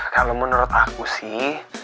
kalo menurut aku sih